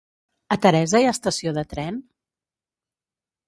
A Teresa hi ha estació de tren?